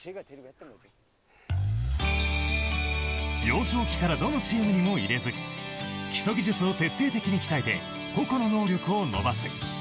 幼少期からどのチームにも入れず基礎技術を徹底的に鍛えて個々の能力を伸ばす。